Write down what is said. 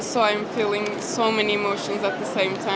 jadi saya merasakan banyak emosi di saat yang sama